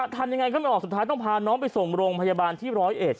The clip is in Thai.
ทำยังไงก็ไม่ออกสุดท้ายต้องพาน้องไปส่งโรงพยาบาลที่ร้อยเอ็ด